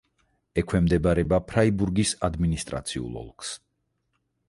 ექვემდებარება ფრაიბურგის ადმინისტრაციულ ოლქს.